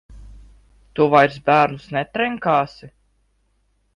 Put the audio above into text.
Tu vairs bērnus netrenkāsi?